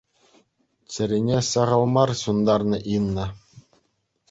Чӗрене сахал мар ҫунтарнӑ Инна.